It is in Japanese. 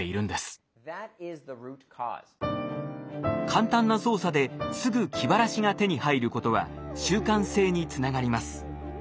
簡単な操作ですぐ気晴らしが手に入ることは習慣性につながります。